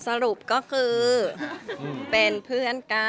สรุปก็คือเป็นเพื่อนกัน